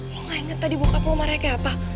lo gainget tadi bokap lo marahnya kaya apa